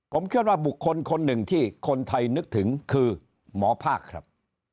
ผมเชื่อว่าบุคคลคนหนึ่งที่คนไทยนึกถึงคือหมอภาคครับ